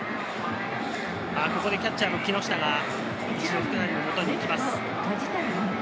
キャッチャーの木下が、福谷の元に行きます。